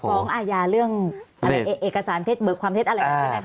ฟ้องอาญาเรื่องัพท์เอกสารเท็จเบิกความเท็จอะไรแบบนี้ใช่ไหมค่ะ